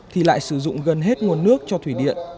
thì lại sử dụng gần hết nguồn nước cho thủy điện